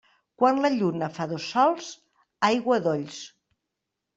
Quan la lluna fa dos sols, aigua a dolls.